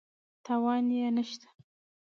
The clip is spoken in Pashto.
تاوان یې نه شته.